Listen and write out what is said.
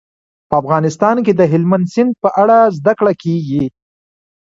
په افغانستان کې د هلمند سیند په اړه زده کړه کېږي.